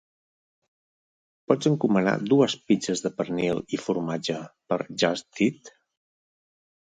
Pots encomanar dues pizzes de pernil i formatge per Just Eat?